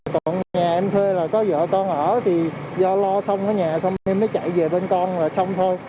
còn nhà em thuê là có vợ con ở thì do lo xong ở nhà xong em mới chạy về bên con là xong thôi